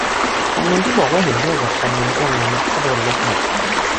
คอมเมนต์ที่บอกว่าเห็นด้วยกับคอนเมนต์พวกนั้น ก็โดนลบหมด